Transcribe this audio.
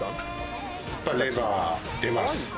レバー出ます。